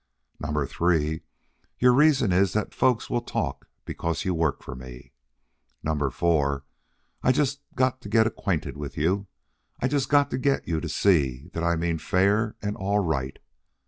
Number three, your reason is that folks will talk because you work for me. Number four, I just got to get acquainted with you, and I just got to get you to see that I mean fair and all right.